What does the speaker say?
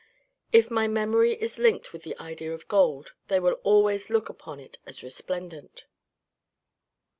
If my memory is linked with the idea of gold, they will always look upon it as resplendent."